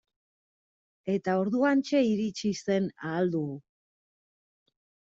Eta orduantxe iritsi zen Ahal Dugu.